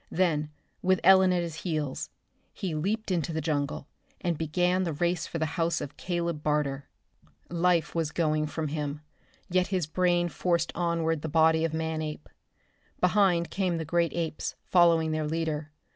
Then, with Ellen at his heels, he leaped into the jungle and began the race for the house of Caleb Barter. Life was going from him, yet his brain forced onward the body of Manape. Behind came the great apes, following their leader.